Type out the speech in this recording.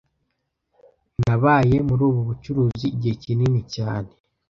Nabaye muri ubu bucuruzi igihe kinini cyane